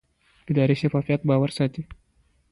اداري شفافیت باور ساتي